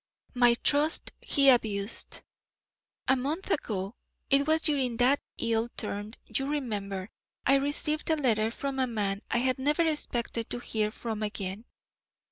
My trust he abused. A month ago it was during that ill turn you remember I received a letter from a man I had never expected to hear from again.